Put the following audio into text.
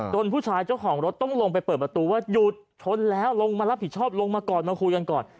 ผู้ชายเจ้าของรถต้องลงไปเปิดประตูว่าหยุดชนแล้วลงมารับผิดชอบลงมาก่อนมาคุยกันก่อน